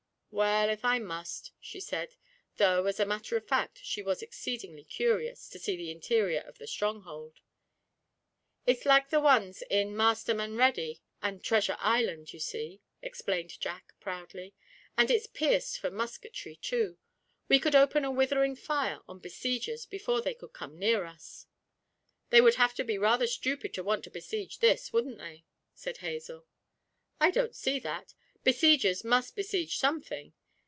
'Well, if I must,' she said; though, as a matter of fact, she was exceedingly curious to see the interior of the stronghold. 'It's like the ones in "Masterman Ready" and "Treasure Island," you see,' explained Jack, proudly. 'And it's pierced for musketry, too; we could open a withering fire on besiegers before they could come near us.' 'They would have to be rather stupid to want to besiege this, wouldn't they?' said Hazel. 'I don't see that besiegers must besiege something.